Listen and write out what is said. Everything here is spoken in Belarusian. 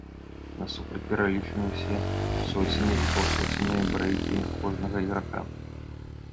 Насупраць пералічаны ўсе соценныя і паўсоценныя брэйкі кожнага іграка.